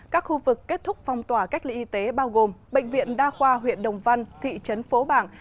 các khu vực kết thúc phong tỏa cách ly y tế bao gồm bệnh viện đa khoa huyện đồng văn thị trấn phố bảng